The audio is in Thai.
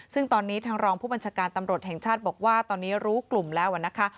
ซึ่งตอนนี้ทางรองผู้บัญชาการตำรวจแห่งชาติบอกว่าตอนนี้รู้กลุ่มแล้วนะคะ